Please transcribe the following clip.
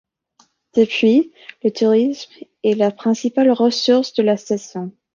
Depuis, le tourisme est la principale ressource de la station.